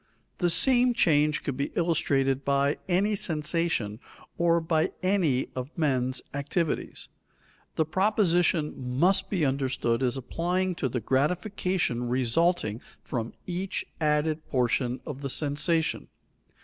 The same change could be illustrated by any sensation or by any of men's activities. The proposition must be understood as applying to the gratification resulting from each added portion of the sensation.